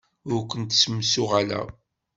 Ur kent-ssemsuɣaleɣ.